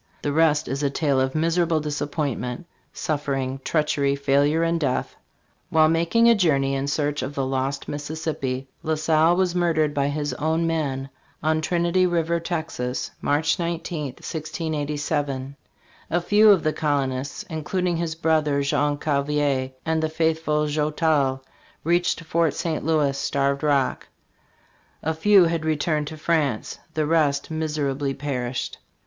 The rest is a tale of mis erable disappointment, suffering, treachery, failure and death. While mak ing a journey in search of the lost Mississippi La Salle was murdered by his own men on Trinity river, Texas, March 19, 1687. A few of the col onists, including his brother, Jean Cavelier, and the faithful Joutel, reached Fort St. Louis (Starved Rock); a few had returned to France; the rest mis serably perished.